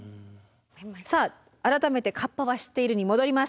さあ改めて「カッパは知っている」に戻ります。